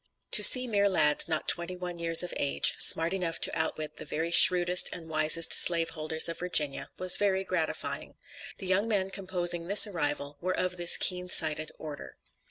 To see mere lads, not twenty one years of age, smart enough to outwit the very shrewdest and wisest slave holders of Virginia was very gratifying. The young men composing this arrival were of this keen sighted order.